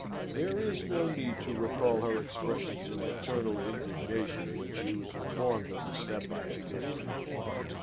There is no need to recall her expressions of maternal indignation when she was informed of the step I had taken.